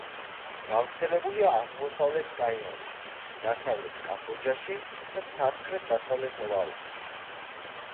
გავრცელებულია აღმოსავლეთ ტაილანდში, დასავლეთ კამბოჯაში და სამხრეთ-დასავლეთ ლაოსში.